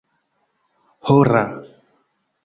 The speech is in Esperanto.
hora